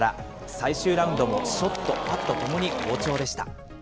最終ラウンドもショット、パットともに好調でした。